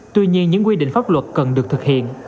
tuy nhiên những quy định pháp luật cần được thực hiện